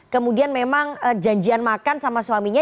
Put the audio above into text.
kemudian memang janjian makan sama suaminya